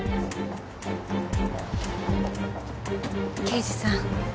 刑事さん